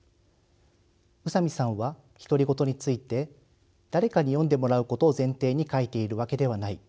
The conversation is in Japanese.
宇佐美さんは独り言について「誰かに読んでもらうことを前提に書いているわけではない。